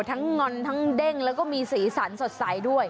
งอนทั้งเด้งแล้วก็มีสีสันสดใสด้วย